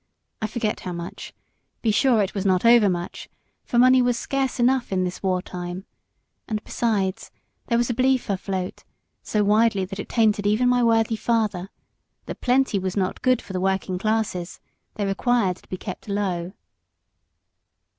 I forget how much be sure it was not over much; for money was scarce enough in this war time; and besides, there was a belief afloat, so widely that it tainted even my worthy father, that plenty was not good for the working classes; they required to be kept low.